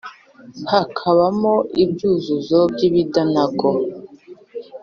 Hakabamo ibyuzuzo by’ibidanago,